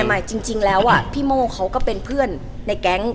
เดี๋ยวก็ไปตอนความสัมภัณฑ์ของเราทั้งคู่มันเริ่มยังไง